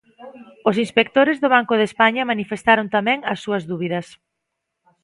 Os inspectores do Banco de España manifestaron tamén as súas dúbidas.